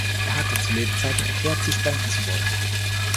Er hatte zu Lebzeiten erklärt, sie spenden zu wollen.